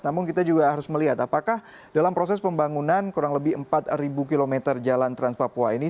namun kita juga harus melihat apakah dalam proses pembangunan kurang lebih empat km jalan trans papua ini